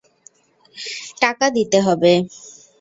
টাকা দিতে হবে।